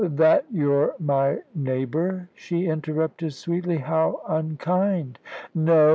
"That you're my neighbour?" she interrupted sweetly. "How unkind!" "No!